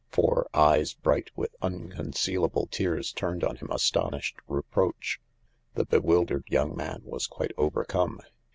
Four eyes bright with unconcealable tears turned on him astonished reproach. The bewildered young man was quite overcome.